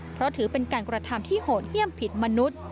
เพราะถือเป็นการกระทำที่โหดเยี่ยมผิดมนุษย์